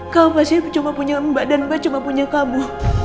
kamu gak sih cuma punya mbak dan mbak cuma punya kamu